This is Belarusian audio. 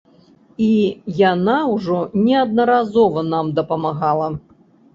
І яна ўжо неаднаразова нам дапамагала.